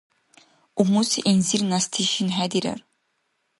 Умуси гӀинзир нясти шин хӀедирар.